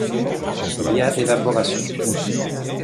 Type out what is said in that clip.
Il y a évaporation.